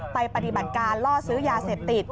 ปฏิบัติการล่อซื้อยาเสพติด